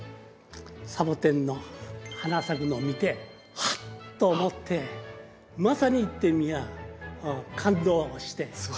サボテンの花咲くのを見てハッと思ってまさに言ってみりゃ感動して。